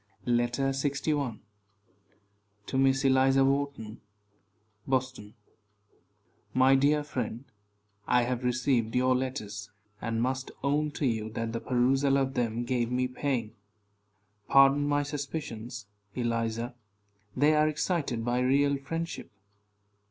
LETTER LXI. TO MISS ELIZA WHARTON. BOSTON. My dear friend: I have received your letters, and must own to you that the perusal of them gave me pain. Pardon my suspicions, Eliza; they are excited by real friendship.